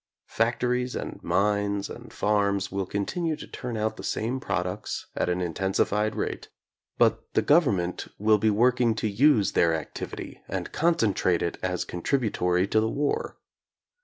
Fac tories and mines and farms will continue to turn out the same products and at an intensified rate, but the government will be working to use their activity and concentrate it as contributory to the war.